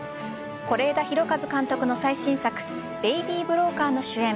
是枝裕和監督の最新作「ベイビー・ブローカー」の主演